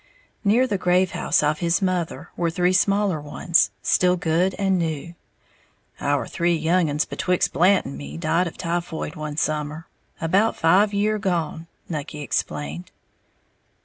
Near the grave house of his mother were three smaller ones, still good and new. "Our three young uns betwixt Blant and me died of typhoid one summer, about five year' gone," Nucky explained.